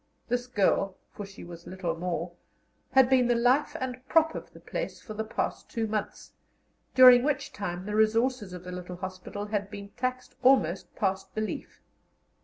This girl for she was little more had been the life and prop of the place for the past two months, during which time the resources of the little hospital had been taxed almost past belief.